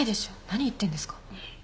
何言ってんですか。